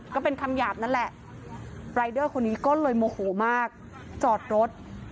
ก็เป็นคำหยาบนั่นแหละรายเดอร์คนนี้ก็เลยโมโหมากจอดรถ